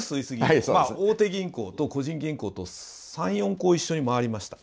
大手銀行と個人銀行と３４行一緒に回りました。